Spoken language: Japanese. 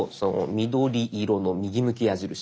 緑色の右向き矢印。